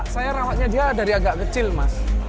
saya rawatnya dia dari agak kecil mas